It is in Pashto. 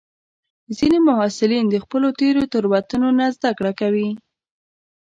ځینې محصلین د خپلو تېرو تېروتنو نه زده کړه کوي.